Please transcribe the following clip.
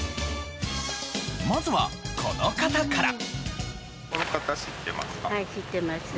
まずはこの方から。